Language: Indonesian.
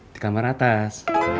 di kamar atas